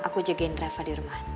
aku jagain dreva di rumah